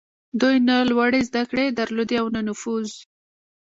دوی نه لوړې زدهکړې درلودې او نه نفوذ.